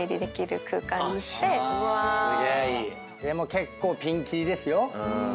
でも結構ピンキリですよ。